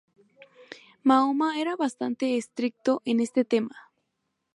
Mahoma era bastante estricto en este tema.